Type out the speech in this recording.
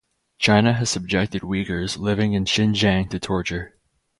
China has subjected Uyghurs living in Xinjiang to torture.